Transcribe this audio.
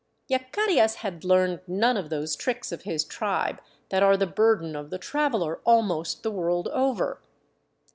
Yacarias had learned none of those tricks of his tribe that are the burden of the traveler almost the world over.